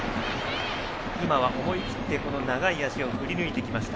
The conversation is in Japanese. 思い切って、長い足を振り抜いてきました。